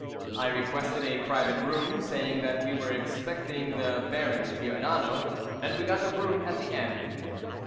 I requested a private room, saying that we were expecting the Baron Giordano, and we got a room at the end.